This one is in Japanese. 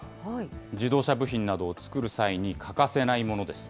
自動車部品などを作る際に欠かせないものです。